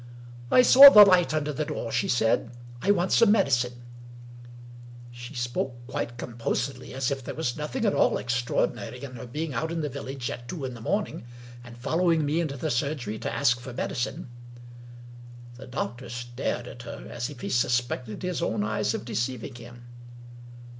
" I saw the light under the door," she said. " I want some medicine." She spoke quite composedly, as if there was nothing at all extraordinary in her being out in the village at two in the morning, and following me into the surgery to ask for medicine I The doctor stared at her as if he suspected his own eyes of deceiving him.